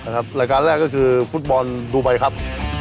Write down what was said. รายการแรกก็คือฟุตบอลดูไบครับ